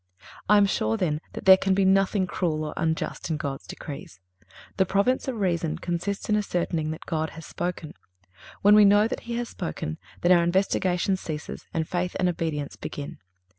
I am sure, then, that there can be nothing cruel or unjust in God's decrees. The province of reason consists in ascertaining that God has spoken. When we know that He has spoken, then our investigation ceases, and faith and obedience begin.